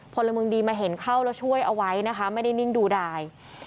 พลเมืองดีมาเห็นเข้าแล้วช่วยเอาไว้นะคะไม่ได้นิ่งดูดาย